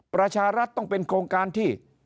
ประชารัฐต้องเป็นโครงการที่